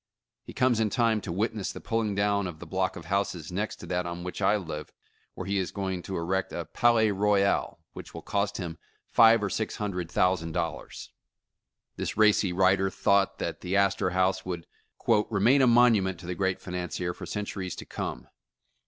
He comes in time to witness the pulling down of the block of houses next to that on which I live, where he is going to erect a palais royal, which will cost him five or six hundred thousand dollars. J > 267 The Original John Jacob Astor This racy writer thought that the Astor House would remain a monument to the great financier for cen turies to come."